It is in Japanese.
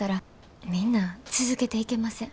みんな続けていけません。